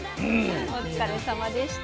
お疲れさまでした。